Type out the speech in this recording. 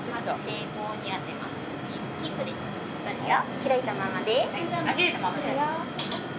開いたままで。